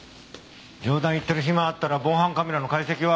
冗談言ってる暇があったら防犯カメラの解析は？